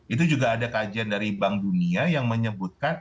itu juga ada kajian dari bank dunia yang menyebutkan